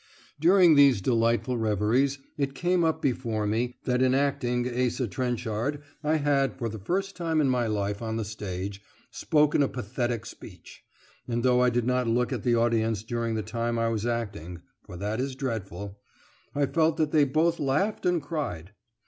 During these delightful reveries it came up before me that in acting Asa Trenchard I had, for the first time in my life on the stage, spoken a pathetic speech; and though I did not look at the audience during the time I was acting for that is dreadful I felt that they both laughed and cried.